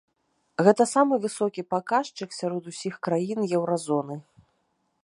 Гэта самы высокі паказчык сярод ўсіх краін еўразоны.